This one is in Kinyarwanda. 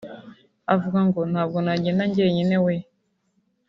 avuga ngo “ntabwo nagenda njyenyine weeee